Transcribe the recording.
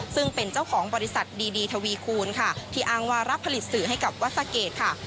ซึ่งเป็นเจ้าของบริษัทดีทวีคูณค่ะที่อ้างว่ารับผลิตสื่อให้กับวัดสะเกดค่ะ